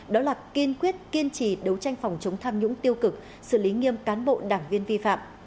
đó là kiên quyết kiên trì đấu tranh phòng chống tham nhũng tiêu cực xử lý nghiêm cán bộ đảng viên vi phạm